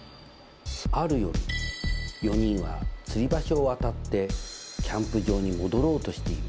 ある夜４人はつり橋を渡ってキャンプ場に戻ろうとしています。